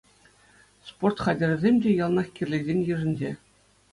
Спорт хатӗрӗсем те яланах кирлисен йышӗнче.